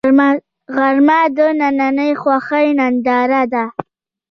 غرمه د دنننۍ خوښۍ ننداره ده